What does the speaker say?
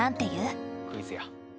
クイズや。